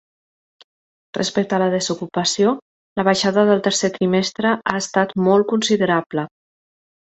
Respecte de la desocupació, la baixada del tercer trimestre ha estat molt considerable.